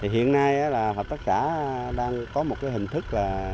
hiện nay là hợp tác xã đang có một hình thức là